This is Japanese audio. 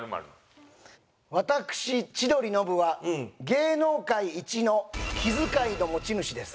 私千鳥ノブは芸能界一の気づかいの持ち主です。